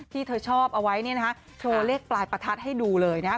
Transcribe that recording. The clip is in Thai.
ที่เธอชอบเอาไว้เนี่ยนะคะโชว์เลขปลายประทัดให้ดูเลยนะฮะ